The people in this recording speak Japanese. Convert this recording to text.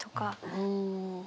うん。